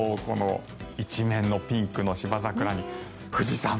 一面のピンクのシバザクラに富士山。